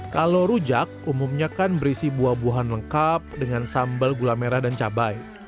kalau rujak umumnya kan berisi buah buahan lengkap dengan sambal gula merah dan cabai